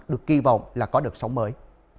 được kỳ vọng là có đợt sống mới